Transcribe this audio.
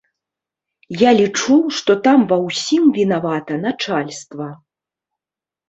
Я лічу, што там ва ўсім вінавата начальства.